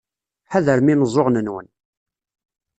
Ḥadrem imeẓẓuɣen-nwen.